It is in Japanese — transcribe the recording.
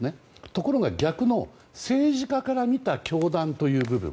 ところが、逆の政治家から見た教団という部分。